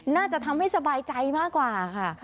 น่าจะทำให้สบายใจมากกว่าค่ะ